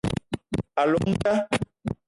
A llong nda